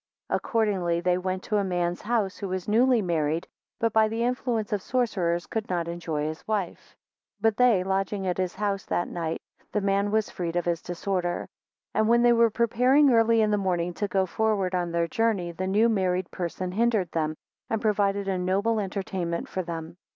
2 Accordingly they went to a man's house, who was newly married but by the influence of sorcerers could not enjoy his wife. 3 But they lodging at his house that night, the man was freed of his disorder. 4 And when they were preparing early in the morning to go forward on their journey, the new married person hindered them, and provided a noble entertainment for them.